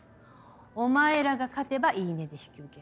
お前らが勝てば言い値で引き受ける。